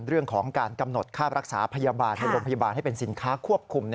เรื่องของการกำหนดค่ารักษาพยาบาลในโรงพยาบาลให้เป็นสินค้าควบคุม